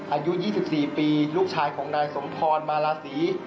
อายุ๒๔ปีลูกชายของนายสมพรมาลาศรี